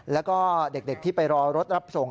แล้วก็เด็กที่ไปรอรถรับส่ง